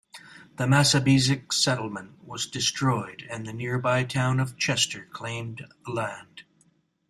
The Massabesic settlement was destroyed, and the nearby town of Chester claimed the land.